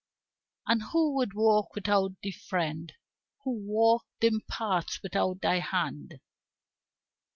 And who could walk without thee, friend? Who walk dim paths without thy hand?